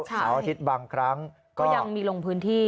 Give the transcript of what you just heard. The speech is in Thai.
เสาร์อาทิตย์บางครั้งก็ยังมีลงพื้นที่